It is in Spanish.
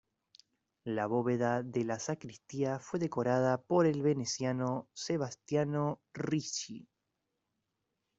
La bóveda de la sacristía fue decorada por el veneciano Sebastiano Ricci.